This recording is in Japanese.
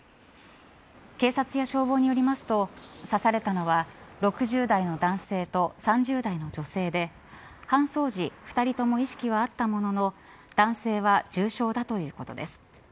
警察や消防によりますと刺されたのは６０代の男性と３０代の女性で搬送時２人とも意識はあったものの男性は重傷だということです。